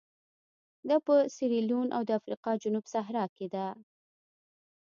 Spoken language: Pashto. دا په سیریلیون او د افریقا جنوب صحرا کې ده.